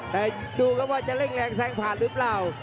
แต่ดูครับว่าจะเร่งแรงแซงผ่านหรือเปล่า